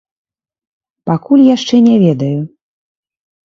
Пакуль яшчэ не ведаю.